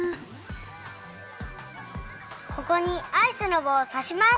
ここにアイスのぼうをさします。